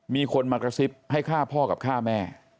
มีคนมากระซิบให้ฆ่าพ่อกับฆ่าแม่